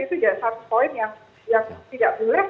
itu satu poin yang tidak boleh